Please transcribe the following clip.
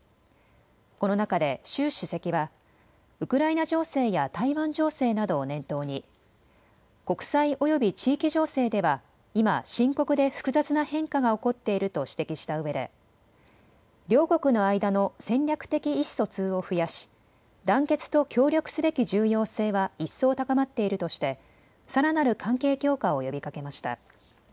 この中で習主席はウクライナ情勢や台湾情勢などを念頭に国際および地域情勢では今、深刻で複雑な変化が起こっていると指摘したうえで、両国の間の戦略的意思疎通を増やし団結と協力すべき重要性は一層、高まっているとしてさらなる関係強化を呼びかけました。